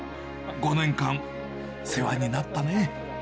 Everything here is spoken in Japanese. ５年間、世話になったね。